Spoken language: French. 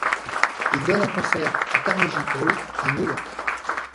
Il donne un concert à Carnegie Hall à New York.